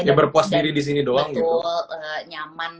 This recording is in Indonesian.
dan betul nyaman